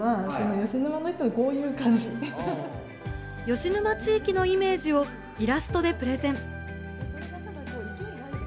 吉沼地域のイメージをイラストでプレゼン。